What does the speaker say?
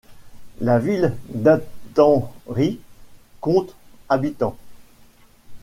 La ville d'Athenry compte habitants.